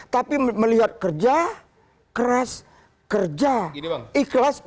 tapi melihat kerja keras kerja ikhlas